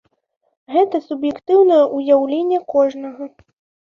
Гэта суб'ектыўнае ўяўленне кожнага.